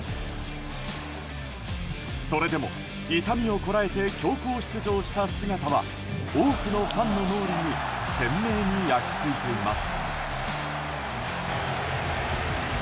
それでも痛みをこらえて強行出場した姿は多くのファンの脳裏に鮮明に焼き付いています。